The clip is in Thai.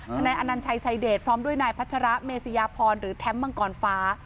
นายอนัญชัยชายเดชพร้อมด้วยนายพัชระเมษยาพรหรือแท้มังกรฟ้า